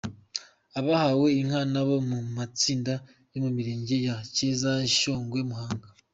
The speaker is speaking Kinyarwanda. Abahawe inka ni abo mu matsinda yo mu mirenge ya Cyeza, Shyogwe, Muhanga.